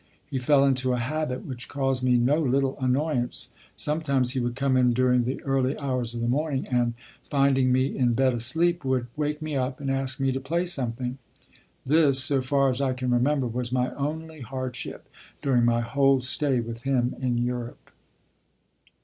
He fell into a habit which caused me no little annoyance; sometimes he would come in during the early hours of the morning and, finding me in bed asleep, would wake me up and ask me to play something. This, so far as I can remember, was my only hardship during my whole stay with him in Europe.